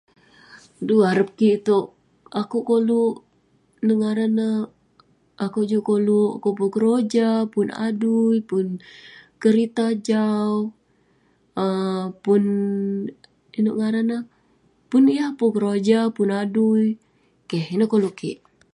Duh arep kik ituek akuek koluek ineuk ngaran neh akuek juk koluk akuek pun keroja pun adui pun kerita jau pun ineuk ngaran neh pun keroja pun adui keh ineh koluk kik